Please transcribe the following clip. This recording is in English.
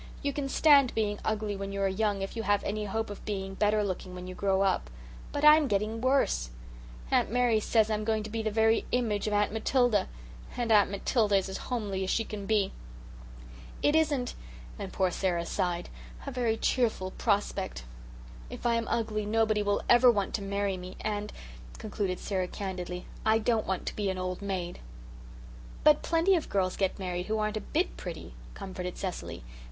"You can stand being ugly when you are young if you have any hope of being better looking when you grow up. But I'm getting worse. Aunt Mary says I'm going to be the very image of Aunt Matilda. And Aunt Matilda is as homely as she can be. It isn't" and poor Sara sighed "a very cheerful prospect. If I am ugly nobody will ever want to marry me, and," concluded Sara candidly, "I don't want to be an old maid." "But plenty of girls get married who aren't a bit pretty," comforted Cecily.